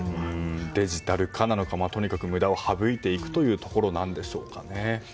デジタル化なのか無駄を省いていくということでしょうかね。